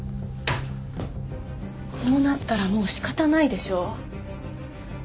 こうなったらもう仕方ないでしょ。